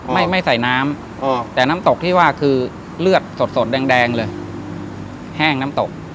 ไม่ไม่ใส่น้ำแต่น้ำตกที่ว่าคือเลือดสดแดงเลยแห้งน้ำตก